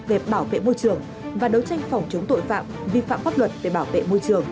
về bảo vệ môi trường và đấu tranh phòng chống tội phạm vi phạm pháp luật về bảo vệ môi trường